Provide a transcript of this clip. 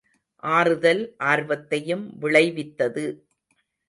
ஆறுதல் ஆர்வத்தையும் விளைவித்தது!